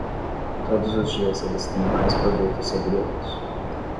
Todos os dias eles têm mais produtos celíacos.